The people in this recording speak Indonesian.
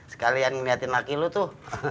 sekalian ngeliatin laki lu tuh